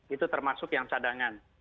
itu termasuk yang cadangan